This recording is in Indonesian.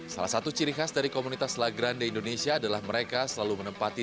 salah satu ciri khas dari komunitas lagrande indonesia adalah mereka selalu menempati